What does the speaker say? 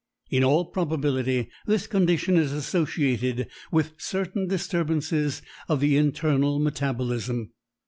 In all probability this condition is associated with certain disturbances of the internal metabolism.